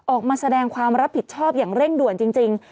ออกมาแสดงความรับผิดชอบอย่างเร่งด่วนจริง